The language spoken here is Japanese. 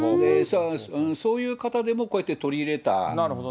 そういう方でも、こうやって取り入れた。